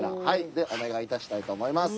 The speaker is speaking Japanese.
でお願い致したいと思います。